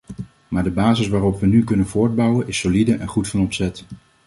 Maar de basis waarop we nu kunnen voortbouwen, is solide en goed van opzet.